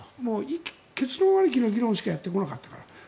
結論ありきの議論しかやってこなかったから。